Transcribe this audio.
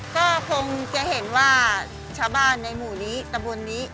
ก็คงจะเห็นว่าชาวบ้านในหมู่นี้ตะบนนี้